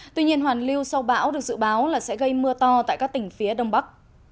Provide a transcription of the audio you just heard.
tuy nhiên hoàn lưu sau bão được dự báo là sẽ gây mưa to tại các tỉnh phía đông bắc